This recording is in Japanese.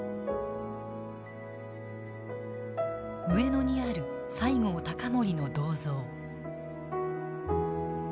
上野にある西郷隆盛の銅像。